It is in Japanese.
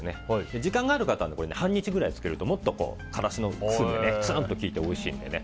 時間がある方は半日ぐらい漬けるともっと辛子の風味がツーンときいておいしいんで。